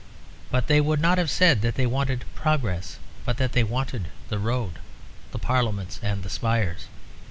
But they would not have said that they wanted progress, but that they wanted the road, the parliaments, and the spires.